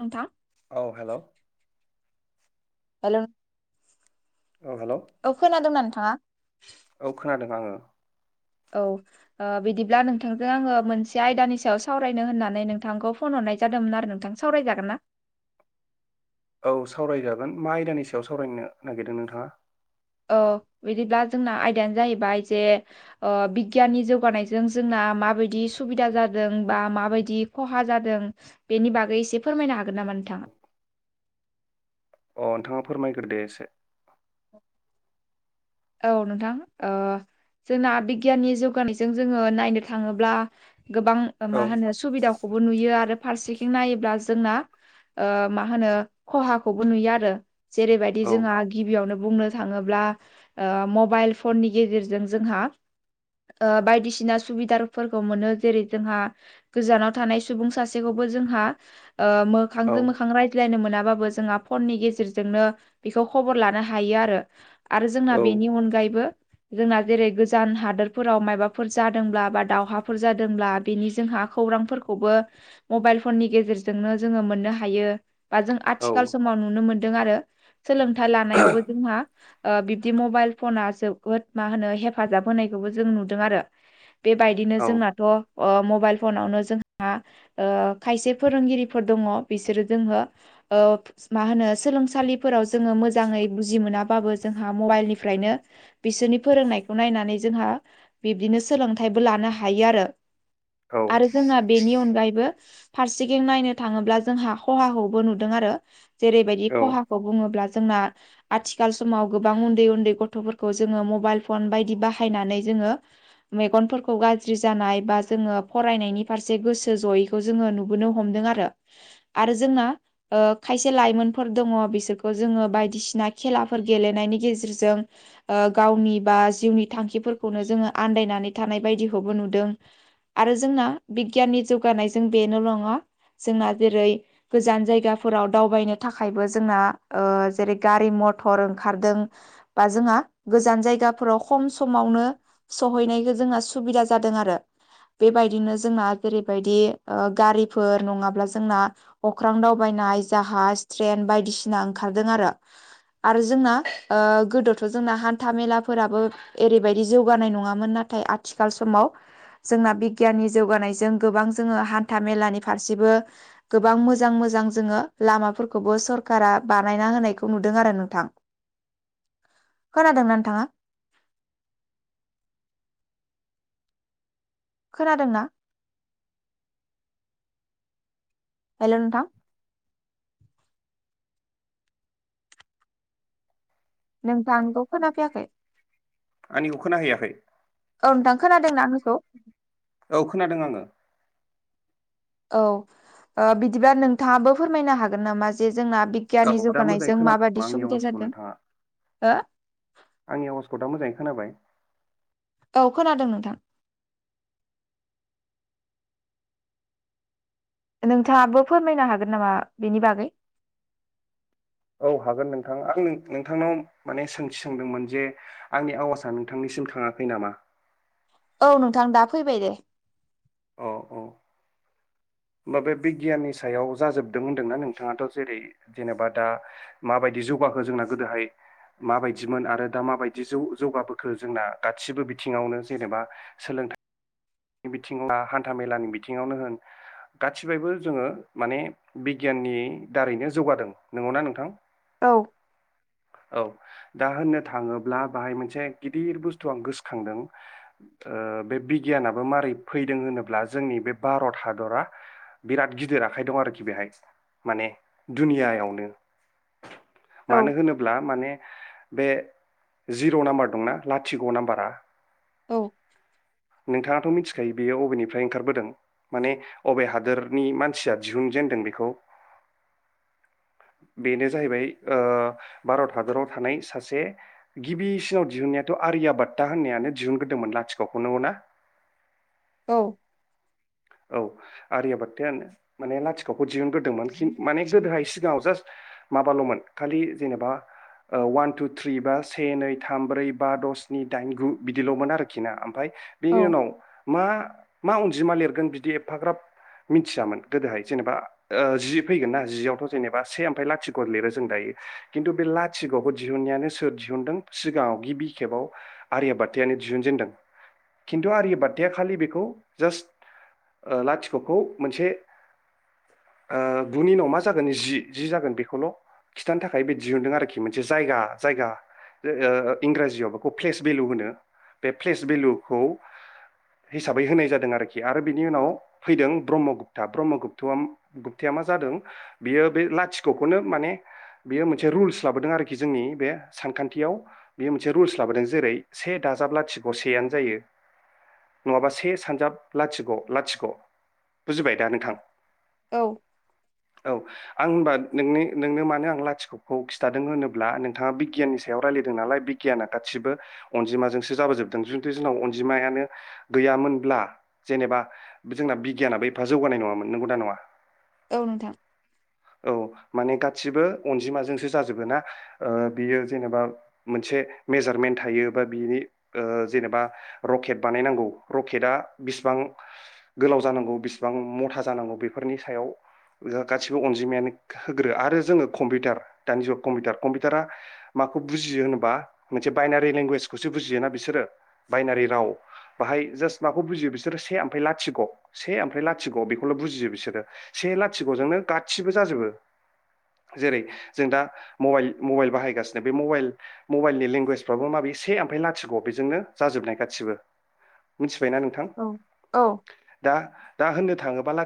नोंथां। औ hello. Hello. औ हेलौ। औ खोनादोंंना नोंथाङा? औ खोनादों आङो। औ। ओ बिदिब्ला नोंथांजों आङो मोनसे आयदानि सायाव सावरायनो होननानै नोंथांखौ फन हरनाय जादोंमोन आरो नोंथां। सावरायजागोन ना? औ सावरायजागोन मा आयदानि सायाव सावरायनो नागिरदों नोंथाङा? औ बिदिब्ला जोंना आयदायानो जाहैबाय जे ओ बिगियाननि जौगानायजों जोंना माबायदि सुबिदा जादों बा माबायदि खहा जादों। बेनि बागै एसे फोरमायनो हागोन नामा नोंथाङा? अ नोंथाङा फोरमायग्रोदो एसे। औ नोंथां ओ। जोंना बिगियाननि जौगानायजों जोङो नायनो थाङोब्ला गोबां औ मा ओ होनो स सुबिदाखौबो नुयो आरो फारसेथिं नायोब्ला जोंना। ओ मा होनो खहाखौबो नुयो आरो। जेरैबायदि औ जोंहा गिबियावनो बुंनो थाङोब्ला। ओ मबाइल फननि गेजेरजों जोंहा बायदिसिना सुबिदाफोरखौ मोनो जेरै जोंहा गोजानाव थानाय सुबुं सासेखौबो जोंहा ओ औ मोखांजों मोखां राय यनो मोनाबाबो जोंहा फननि गेजेरजोंनो बेखौ खबर लानो हायो आरो आरो जोंना बेनि अनगायैबो जोंना जेरै गोजान हादोरफोराव मायबाफोर जादोंब्ला बा दावहाफोर जादोंब्ला बेनि जोंहा खौरांफोरखौबो मबाइल फननि गेजेरजोंनो जोङो मोननो हायो। बा जों औ आथिखाल समाव नुनो मोनदों आरो सोलोंथाइ लानायावबो जोंहा बिदि मबाइल फना जोबोद मा होनो हेफाजाब होनायखौबो जों नुदों आरो। बेबायदिनो औ जोंनाथ' मबाइल फनावनो जोंहा खायसे फोरोंगिरिफोर दङ बिसोरो जोङो मा होनो सोलोंसालिफोराव जोङो मोजाङै बुजि मोनाबाबो जोंहा जोंहा मबाइलनिफ्रायनो बिसोरनि फोरोंनायखौ नायनानै जोंहा बिबदिनो सोलोंथाइबो लानो हायो आरो औ आरो जोंना बेनि अनगायैबो फारसेथिं नायनो थाङोब्ला जोंहा खहाखौबो नुदों आरो। जेरैबायदि औ खहाखौ बुङोब्ला जोंना आथिखाल समाव गोबां उन्दै उन्दै गथ'फोरखौ जोङो मबाइल फन बायदि बाहायनानै जोङो मेगनफोरखौ गाज्रि जानाय बा जोङो फरायनायनि फारसे गोसो जयै खौ जोङो नुबोनो हमदों आरो। आरो जोंना खायसे लाइमोनफोर दङ बिसोरखौ जोङो बायदिसिना खेलाफोर गेलेनायनि गेजेरजों गावनि बा जिउनि थांखिफोरखौनो जोङो आन्दायनानै बायदिखौबो नुदों। आरो जोंना बिगियाननि जौगानायजों बेल' नङा जोंना जेरै- गोजान जायगाफोराव दावबायनो थाखायबो जोंना जेरै गारि मथर हर ओंखारदों बा जोंहा गोजान जायगाफोराव खम समावनो सहैनायखौ जोंना सुबिदा जादों आरो। बेबायदिनो जोंना जेरैबायदि गारिफोर नङाब्ला जोंना अख्रां दावबायनाय जाहाज ट्रेन बायदिसिना ओंखारदों आरो। आरो जोंना गोदोथ' जोंना हान्था मेलाफोराबो एरैबायदि जौगानाय नङामोन नाथाय आथिखाल समाव जोंना बिगियाननि जौगानायजों गोबां जोङो हान्था मेलानि फारसेबो गोबां मोजां मोजां जोङो लामाफोरखौबो सरखारा बानायना होनायखौ नुदों आरो नोंथां खोनादों ना नोंथाङा? खोनादोंना? हेलौ नोंथां नोंथांखौ खोनाफैयाखै आंनिखौ खोना हैयाखै? औ नोंथां खोनादों ना आंनिखौ औ खोनादों आङो औ बिदिब्ला नोंथाङाबो फोरमायनो हागोन नामा जे जोंना औ बिगियाननि दा मोजाङै जौगानायजों खोनाबाय नामा माबायदि आंनि सुबिदा आवाजखौ जादों नोंथाङा हो आंनि आवाजखौ दा मोजाङै खोनाबाय? औ खोनादों नोंथां नोंथाङाबो फोरमायनो हागोन नामा बेनि बागै? औ हागोन नोंथां आं नोंथांनाव माने सोंथि सोंदोंमोन जे आंनि आवासा नोंथांनिसिम थाङाखै नामा? औ नोंथां दा फैबाय दे। औ औ। बा बे बिगियाननि सायाव जाजोबदों होन्दोंना नोंथाङाथ' जेरै जेनेबा दा माबायदि जौगाखो जोंना गोदोहाय माबायदिमोन आरो दा माबायदि जौ-जौगाबोखो जोंना गादसिबो बिथिङावनो जेनेबा सोलोंथा बिथिङा हान्था मेलानि बिथिङावनो होन गाथिबायबो जोङो माने बिगियाननि दारैनो जौगादों नंगौना नोंथां? औ औ दा होननो थाङोब्ला बाहाय मोनसे गिदिर बुस्थु आं गोसखांदों ओ बे बिगियानाबो मारै फैदों होनोब्ला जोंनि बे बारत हादरा बिराद गिदिर आखाइ दं आरोखि बेहाय माने दुनियायावनो। मानो औ होनोब्ला माने बे जिर' नाम्बार दंना लाथिख' नाम्बारा औ नोंथाङाथ' मिथिखायो बियो अबेनिफ्राय ओंखारबोदों माने अबे हादोरनि मानसिया दिहुनजेनदों बेखौ [inaudible] बेनो जाहैबाय ओ बारत हादराव थानाय सासे गिबिसिनाव दिहुनायाथ' आर्याबात्ता होननायानो दिहुनग्रोदोंमोन लाथिख'खौ नंगौ ना? औ औ आर्याबात्तायानो माने लाथिख'खौ दिहुनग्रोदोंमोन खिन माने गोदोहाय सिगाङाव जास्ट माबाल'मोन खालि जेनेबा ओ अवान टु थ्रि बा से नै थाम ब्रै बा द' स्नि दाइन गु बिदिल'मोन आरोखि ना ओमफाय बेनि औ उनाव मा मा अनजिमा लिरगोन बिदि एफाग्राब मिथियामोन गोदोहाय जेनेबा ओ जि फैगोन ना जिआवथ' जेनेबा से ओमफाय लाथिख' लिरो जों दायो खिन्थु बे लाथिख'खौ दिहुनायानो सोर दिहुनदों सिगाङाव गिबि खेबाव आर्याबात्तायानो दिहुनजेनदों खिन्थु आर्याबात्ताया खालि बेखौ जास्ट ओ लाथिख'खौ मोनसे ओ गुनि उनाव मा जागोन जि जि जागोन बेखौल' खिथानो थाखाय बे दिहुनदों आरोखि मोनसे जायगा जायगा ओ ओ इंराजियाव बेखौ फेस भेलु होनो बे फ्लेस भेलुखौ हिसाबै होनाय जादों आरोखि आरो बिनि उनाव फैदों ब्रह्मगुप्ता ब्रह्मगुप्त गुप्ताया मा जादों बियो बे लाथिख'खौनो माने बियो मोनसे रुल्स लाबोदों आरोखि जोंनि बे सानखान्थियाव बियो मोनसे रुल्स लाबोदों जेरै से दाजाब लाथिख' सेयानो जायो। नङाबा से सानजाब लाथिख' लाथिख ख' बुजिबाय दा नोंथां औ औ। आं होनबा नोंनो नोंनो मानो आं लाथिख'खौ खिथादों होनोब्ला नोंथाङा बिगियाननि सायाव रायलायदों नालाय बि गियाना गादसिबो अनजिमाजोंसो जाबोजोबदों जुदि जोंनाव अनजिमायानो गैयामोनब्ला जेनेबा जोंना बिगियानाबो एफा जौगानाय नङामोन नंगौना नङा? औ नोंथां। औ माने गासिबो अनजिमाजोंसो जाजोबो ना बियो ओ जेनेबा मोनसे मेजारमेन्ट थायो बा बिनि ओ जेनेबा रकेट बानायनांगौ रकटा बिसिबां गोलाव जानांगौ बेसिबां मथा जानांगौ बेफोरनि सायाव ओ गासि बो अनजिमायानो होग्रो आरो जोङो कम्पिउटार दानि जुगाव कम्पिउटार कम्पिउटारा माखौ बुजियो होनोबा मोनसे बायनारि लेंगुवेजखौसो बुजियोना बिसोरो बायनारि राव बाहाय जास्ट बुजियो बिसोरो से लाथिख' से ओमफ्राय लाथिख' बेखौल' बुजियो बिसोरो से लाथिख'जोंनो गासिबो जाजोबो जेरै जों दा मबाइल मबाइल बाहायगासिनो बे मबाइल मबाइलनि लेंगुवेजफ्राबो माबे से ओमफ्राय लाथिख बेजोंनो जाजोबनाय गासिबो मिथिबायना नों नोंथां औ औ दा दा होननो थाङोब्ला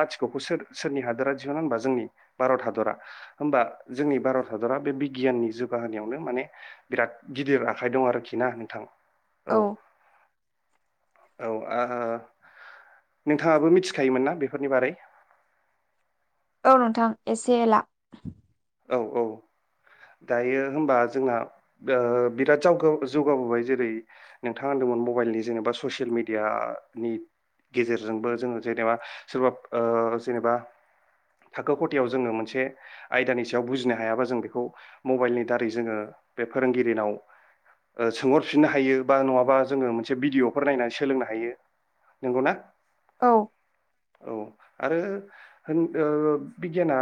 लाथिख'खौ सोर सोरनि हा हादरा दिहुना होनबा जों भारत हादरा होमबा जोंनि भारत हादरा बे बिगियाननि जौगाहोनायावनो माने बिराद गिदिर आखाइ दं आरोखि ना नोंथां औ औ आ नोंथाङाबो मिथिखायोमोन ना बेफोरनि बारै औ नोंथां एसे एला औ औ दायो हबा जोंना बिराद ओ जाव जौगाबोबाय जेरै नोंथाङा होनदोंमोन मबाइलनि जेनेबा ससियेल मिडिया नि गेजेरजोंबो जोङो जेनेबा सोरबा ओ जेनेबा थाखो खथायाव जोङो मोनसे आयदानि सायाव बुजिनो हायाबा जों बेखौ मबाइलनि दारै जोङो बे फोरोंगिरिनाव सोंहरफिननो हायो बा नङाबा जोङो मोनसे भिडिअफोर नायनानै सोलोंनो हायो नंगौ ना औ औ आरो ओ बिगियाना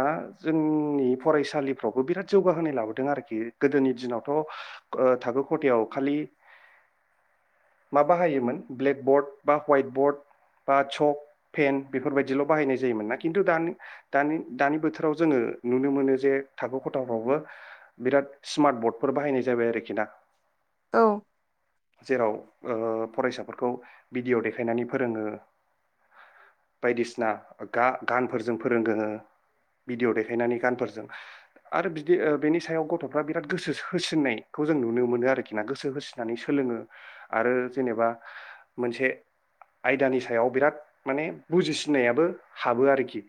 जोंनि फरायसालिफ्रावबो बिराद जौगाहोनाय लाबोदों आरोखि गोदोनि दिनावथ' ओ थाखो खथायाव खालि मा बाहायोमोन ब्लेक बर्ड बा हवाइट बर्ड बा चक पेन बेफोरबायाददिल' बाहायनाय जायोमोन ना खिन्थु दा दानि दानि बोथोराव जोङो नुनो मोनो जे थाखो ख थायावबो बिराद स्मार्ट बर्डफोर बाहायनाय जाबाय आरोखि ना औ जेराव ओ फरायसाफोरखौ भिडिअ' देखायनानै फोरोङो बायदिसिना गा गान फोरोंगो भिदिअ देखायनानै गानफोरजों आरो बिदि बेनि सायाव गथ'फ्रा बिराद गोसो होसिननायखौ जों नुनो मोनो आरोखि ना गोसो होसिननानै सोलोङो आरो जेनेबा मोनसे आयदानि सायाव बिराद माने बुजिसिनायाबो हाबो आरोखि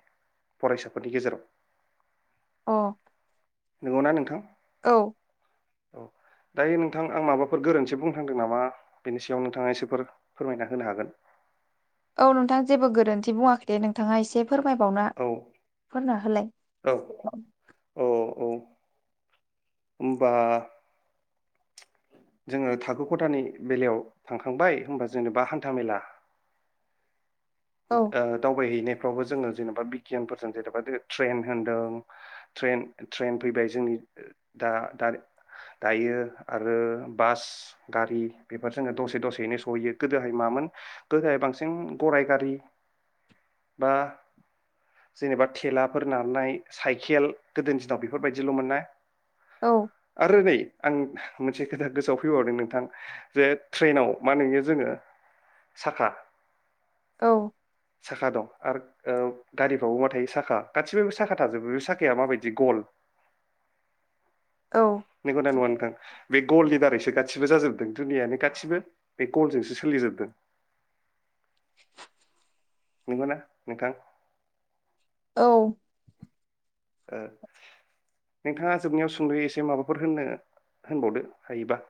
फरायसाफोरनि गेजेराव अ नंगौना नोंथां औ औ दायो नोंथां आं माबाफोर गोरोन्थि बुंथांदों नामा बेनि सायाव नोंथाङा एसेफोर फोरमायना होनो हागोन औ नोंथां जेबो गोरोन्थि बुङाखै दे नोंथाङा एसे फोरमायबावना औ फोरना होलाय औ औ अ औ होनबा जोङो थाखो खथानि बेलायाव थांखांबाय होनोमबा जेनेबा हान्था मेला औ ओ दावबायहैनायफ्रावबो जोङो जेनेबा बिगियानफोरजों जेनेबा ट्रेन होनदों ट्रेन ट्रेन फैबाय जोंनि दा दा दायो आरो बास गारि बेफोर जोङो दसे दसेैनो सहैयो गोदोहाय मामोन गोदोहाय बांसिन गराय गारि बा जेनेबा थेलाफोर नारनाय साइकेल गोदोनि दिनाव बेफोरबायदिल'मोन ना औ आरो नै आं मोनसे खोथा गोसोआव फैबावदों नोंथां जे ट्रेनाव मा नुयो जोङो साखा औ साखा दं आरो ओ गारिफ्रावबो मा थायो साखा गासिबो साखा थाजोबो बे साखाया माबायदि गल औ नंगौ ना नङा नोंथां? बे गलनि दारैसो गासिबो जाजोबदों दुनियायानो गासैबो बे गलजोंसो सोलिजोबदों नंगौ ना नोंथां? औ ओ नोंथाङा जोबनायाव सुंद' एसे माबाफोर होननो होनबावदो हायोबा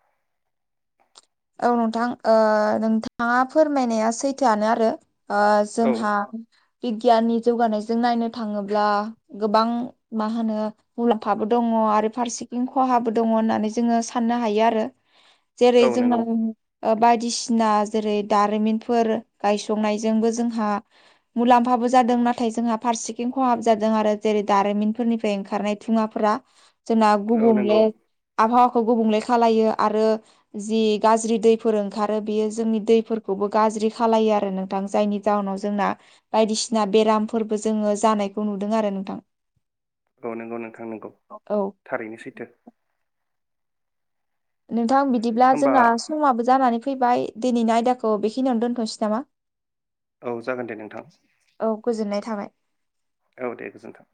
औ नोंथां ओ नोंथाङा फोरमायनाया सैथोआनो आरो ओ औ जोंहा बिगियाननि जौगानायजों नायनो थाङोब्ला गोबां मा होनो मुलाम्फाबो दङ आरो फारसेथिं खहाबो दङ होननानै जोङो साननो हायो आरो जे औ जों नंगौ [unintelligible] ओ बायदिसिना जेरै दारिमिनफोर गायसंनायजोंबो जोंहा मुलाम्फाबो जादों नाथाय जोंहा फारसेथिं खहाबो जादों आरो जेरै दारिमिनफोरनिफ्राय ओंखारनाय थुङाफोरा जोंना औ गुबुंले नंगौ आबहावाखौ गुबुंले खालायो आरो जि गाज्रि दैफोर ओंखारो बियो जोंनि दैफोरखौबो गाज्रि खालायो आरो नोंथां जायनि जाउनाव जोंना बायदिसिना बेरामफोरबो जोङो जानायखौ नुदों आरो नोंथां‌ औ नंगौ नोंथां नंगौ थारैनो सैथो। नोंथां बिदिब्ला होमबा जोंना समाबो जानानै फैबाय दिनैनि आयदाखौ बेखिनियावनो दोनथ'नोसै नामा? औ जागोन दे नोंथां औ गोजोननाय थाबाय औ दे गोजोन्थों